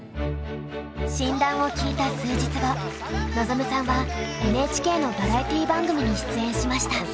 診断を聞いた数日後望さんはＮＨＫのバラエティー番組に出演しました。